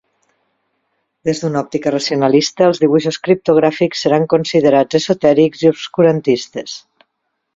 Des d'una òptica racionalista els dibuixos criptogràfics seran considerats esotèrics i obscurantistes.